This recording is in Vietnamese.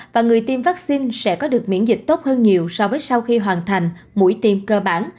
và người tiêm vaccine sẽ có được miễn dịch tốt hơn nhiều so với sau khi hoàn thành mũi tiêm cơ bản